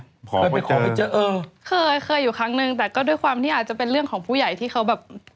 ขอไปเจอเออเคยอยู่ครั้งนึงแต่ก็อาจจะเป็นเรื่องของผู้ใหญ่ที่เขาแบบ